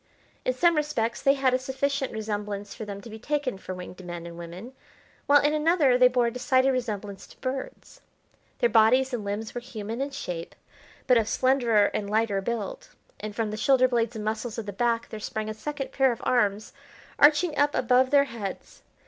In some respects they had a sufficient resemblance for them to be taken for winged men and women, while in another they bore a decided resemblance to birds. Their bodies and limbs were human in shape, but of slenderer and lighter build; and from the shoulder blades and muscles of the back there sprang a second pair of arms arching up above their heads.